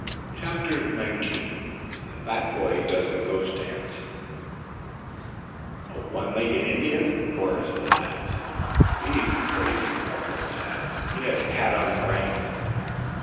CHAPTER XIX THE FAT BOY DOES A GHOST DANCE "A one legged Indian?" chorused the lads. "He's crazy," grumbled Dad. "He has cat on the brain."